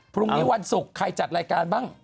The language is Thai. พรุ่งนี้วันศุกร์ใครจัดรายการบ้าง